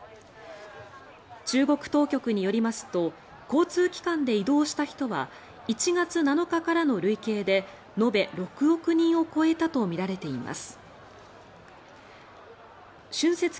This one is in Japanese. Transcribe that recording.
中国当局によりますと交通機関で移動した人は１月７日からの累計で延べ６億人を超えたとみられています。